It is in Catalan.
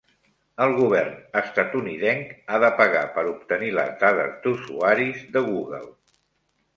El govern estatunidenc ha de pagar per obtenir les dades d'usuaris de Google